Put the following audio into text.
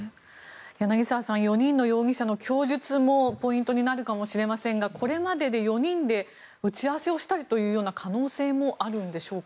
柳澤さん４人の容疑者の供述もポイントになるかもしれませんがこれまでで４人で打ち合わせをしたりというような可能性もあるんでしょうか。